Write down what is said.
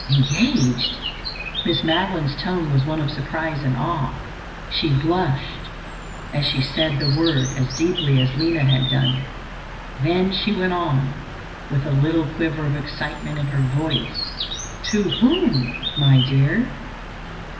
"Engaged!" Miss Madeline's tone was one of surprise and awe. She blushed as she said the word as deeply as Lina had done. Then she went on, with a little quiver of excitement in her voice, "To whom, my dear?"